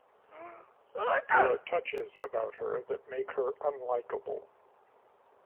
There are touches about her that make her unlikable.